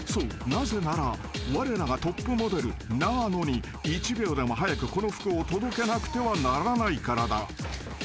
なぜならわれらがトップモデル永野に一秒でも早くこの服を届けなくてはならないからだ］